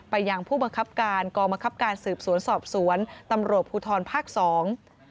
ยังผู้บังคับการกองบังคับการสืบสวนสอบสวนตำรวจภูทรภาคสอง